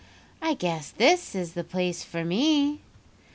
'I guess this is the place for me!